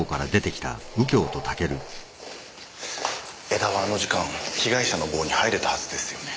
江田はあの時間被害者の房に入れたはずですよね。